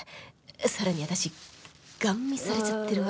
さらに私ガン見されちゃってるわけですよ